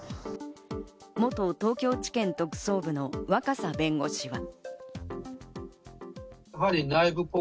元東京地検特捜部の若狭弁護士は。